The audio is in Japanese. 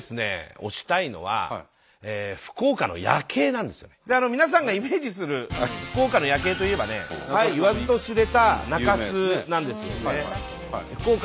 僕がですね皆さんがイメージする福岡の夜景といえばね言わずと知れた中洲なんですよね。